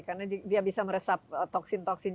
karena dia bisa meresap toksin toksin